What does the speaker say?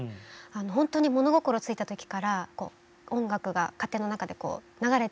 本当に物心ついた時から音楽が家庭の中でこう流れていて。